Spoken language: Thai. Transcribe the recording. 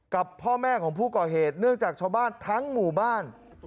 กับพ่อแม่ของผู้ก่อเหตุเนื่องจากชาวบ้านทั้งหมู่บ้าน